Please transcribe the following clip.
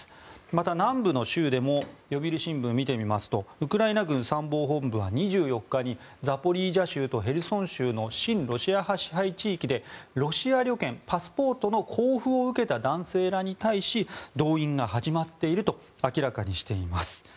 また、南部の州でも読売新聞見てみますとウクライナ軍参謀本部は２４日にザポリージャ州とヘルソン州の親ロシア派支配地域でロシア旅券パスポートの交付を受けた男性らに対し動員が始まっていると明らかにしています。